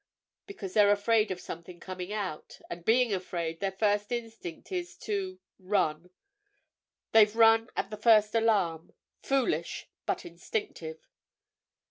"Because they're afraid of something coming out. And being afraid, their first instinct is to—run. They've run at the first alarm. Foolish—but instinctive."